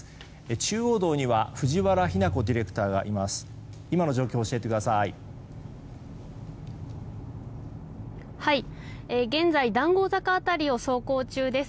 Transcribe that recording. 中央道には藤原妃奈子ディレクターがいます。